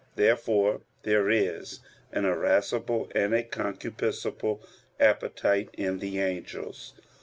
Therefore there is an irascible and a concupiscible appetite in the angels.